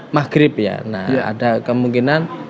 maghrib ya nah ada kemungkinan